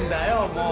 もう。